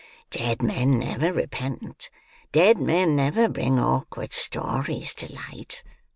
Dead men never repent; dead men never bring awkward stories to light.